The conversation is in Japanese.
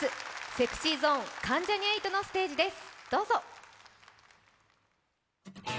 ＳｅｘｙＺｏｎｅ、関ジャニ∞のステージです。